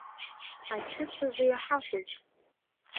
Ачыс азы иҳахәоит.